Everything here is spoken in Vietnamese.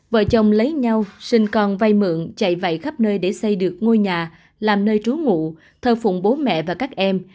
vợ chồng lấy nhau sinh con vay mượn chạy vầy khắp nơi để xây được ngôi nhà làm nơi trú ngụ thờ phụng bố mẹ và các em